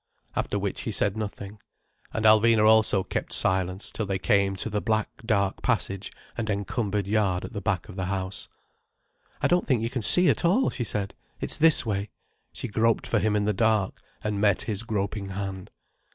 After which he said nothing, and Alvina also kept silence till they came to the black dark passage and encumbered yard at the back of the house. "I don't think you can see at all," she said. "It's this way." She groped for him in the dark, and met his groping hand.